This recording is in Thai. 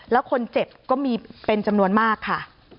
แล้วคนเจ็บก็มีเป็นจำนวนมากค่ะ